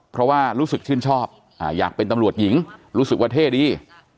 เพราะว่ารู้สึกชื่นชอบอยากเป็นตำรวจหญิงรู้สึกว่าเท่ดี